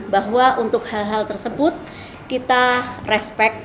bahwa untuk hal hal tersebut kita respect